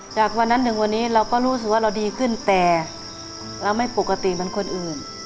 จากวันนั้นถึงวันนี้เราก็รู้สึกว่าเราดีขึ้นแต่เราไม่ปกติเหมือนคนอื่น